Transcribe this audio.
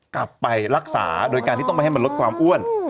กลับไปรักษาโดยการที่ต้องไม่ให้มันลดความอ้วน